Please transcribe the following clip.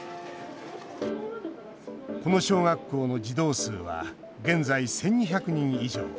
この小学校の児童数は現在１２００人以上。